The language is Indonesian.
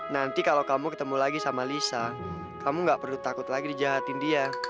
nanti kalau kamu ketemu lagi sama lisa kamu gak perlu takut lagi dijahatin dia